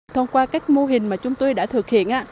thông qua các mô hình mà chúng tôi đã thực hiện